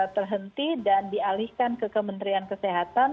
terhenti dan dialihkan ke kementerian kesehatan